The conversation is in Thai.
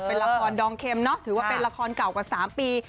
เป็นละครดองเข็มเนาะถือว่าเป็นละครเก่ากว่า๓ปี